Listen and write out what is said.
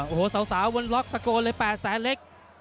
โอ้โหสาววนล็อกตะโกนเลย๘แสนเล็ก